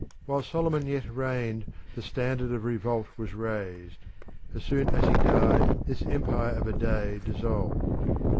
While Solomon yet reigned the standard of revolt was raised; as soon as he died this empire of a day dissolved.